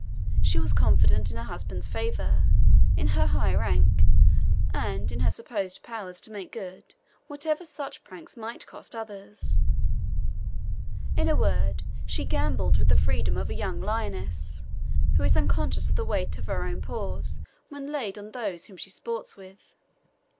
She was confident in her husband's favour, in her high rank, and in her supposed power to make good whatever such pranks might cost others. In a word, she gambolled with the freedom of a young lioness, who is unconscious of the weight of her own paws when laid on those whom she sports with.